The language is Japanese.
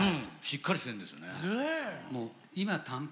しっかりしてるんですよね。